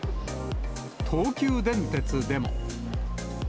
東急電鉄でも。